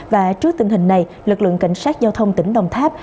và trước tình hình này lực lượng cảnh sát giao thông tỉnh đồng tháp